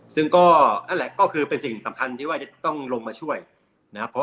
ซึ่งก็นั่นแหละก็คือเป็นสิ่งสำคัญที่ว่าจะต้องลงมาช่วยนะครับ